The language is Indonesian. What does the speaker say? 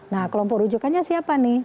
nah kelompok rujukannya siapa